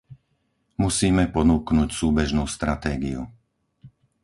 Musíme ponúknuť súbežnú stratégiu.